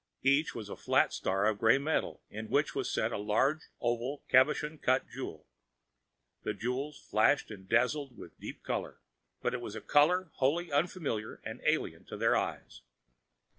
Each was a flat star of gray metal in which was set a large oval, cabochon cut jewel. The jewels flashed and dazzled with deep color, but it was a color wholly unfamiliar and alien to their eyes.